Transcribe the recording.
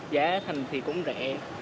giá thành thì cũng rẻ